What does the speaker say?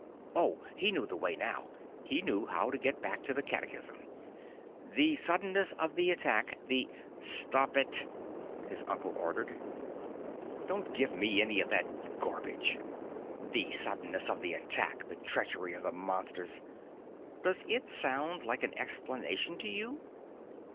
Oh! He knew the way now. He knew how to get back to the catechism: "The suddenness of the attack, the " "Stop it!" his uncle ordered. "Don't give me any of that garbage! The suddenness of the attack, the treachery of the Monsters does it sound like an explanation to you?